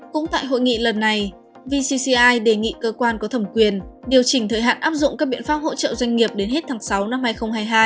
cũng tại hội nghị lần này vcci đề nghị cơ quan có thẩm quyền điều chỉnh thời hạn áp dụng các biện pháp hỗ trợ doanh nghiệp đến hết tháng sáu năm hai nghìn hai mươi hai